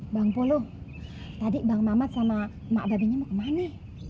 bang polo tadi bang mamat sama mbaknya mau kemana